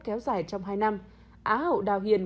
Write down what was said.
kéo dài trong hai năm á hậu đào hiền